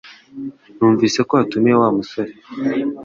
Numvise ko watumiye Wa musore